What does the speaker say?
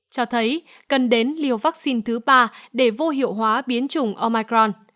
cho thấy cần đến liều vaccine thứ ba để vô hiệu hóa biến chủng omicron